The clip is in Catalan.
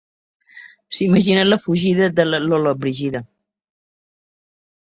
S'imagina la fugida de la Llollobrigida.